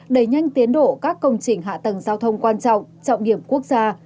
đẩy nhanh tiến độ các công trình hạ tầng giao thông quan trọng trọng điểm quốc gia